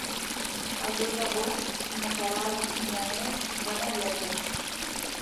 El deu d'agost na Queralt i na Neus van a Lladurs.